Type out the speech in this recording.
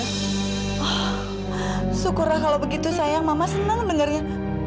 syukurlah kalau begitu sayang mama senang dengarnya